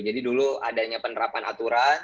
jadi dulu adanya penerapan aturan